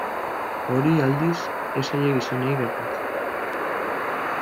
Hori, aldiz, ez zaie gizonei gertatzen.